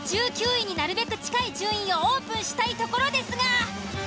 １９位になるべく近い順位をオープンしたいところですが。